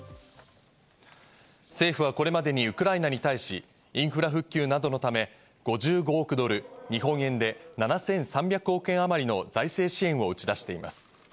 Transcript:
政府はこれまでにウクライナに対し、インフラ復旧などのため、５５億ドル・日本円で７３００億円あまりの財政支援を打ち出しています。